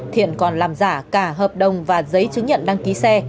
thiện còn làm giả cả hợp đồng và giấy chứng nhận đăng ký xe